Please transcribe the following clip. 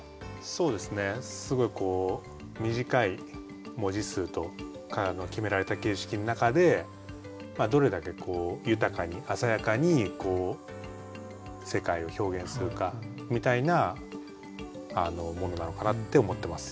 そうですねすごい短い文字数と決められた形式の中でどれだけ豊かに鮮やかに世界を表現するかみたいなものなのかなって思ってます。